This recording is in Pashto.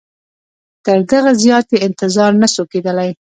تر دغه زیات یې انتظار نه سو کېدلای.